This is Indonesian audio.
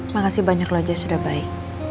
makasih banyak lo aja sudah baik